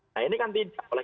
nah ini kan tidak oleh